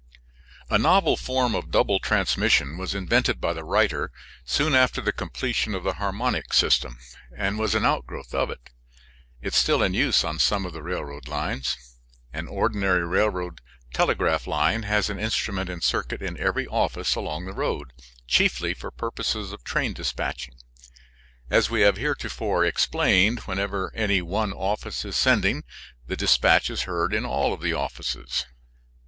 A novel form of double transmission was invented by the writer soon after the completion of the harmonic system, and was an outgrowth of it. It is still in use on some of the railroad lines. An ordinary railroad telegraph line has an instrument in circuit in every office along the road, chiefly for purposes of train dispatching. As we have heretofore explained, whenever any one office is sending, the dispatch is heard in all of the offices.